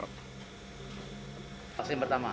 ketua pelaksana kcppen erick thohir mendekankan vaksin gotong royong